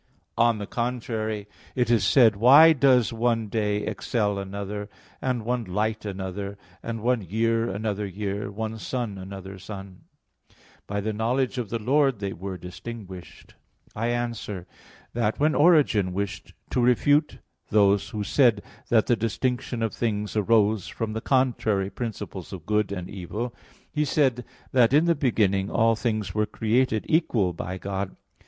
On the contrary, It is said (Ecclus. 33:7): "Why does one day excel another, and one light another, and one year another year, one sun another sun? [Vulg.: 'when all come of the sun']. By the knowledge of the Lord they were distinguished." I answer that, When Origen wished to refute those who said that the distinction of things arose from the contrary principles of good and evil, he said that in the beginning all things were created equal by God.